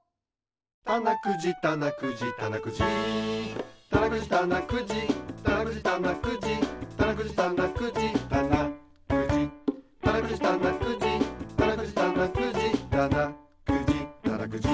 たなくじたなくじたなくじたなくじたなくじたなくじたなくじたなくじたなくじたなくじたなくじたなくじたなくじたなくじたなくじたなくじ